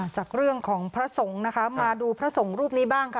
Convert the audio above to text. จากเรื่องของพระศงนะคะมาดูพระศงรูปนี้บ้าง